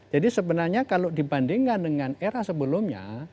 jadi sebenarnya kalau dibandingkan dengan era sebelumnya